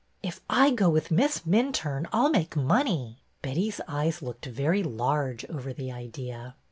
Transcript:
'' If I go with Miss Minturne I 'll make money." Betty's eyes looked very large over the idea.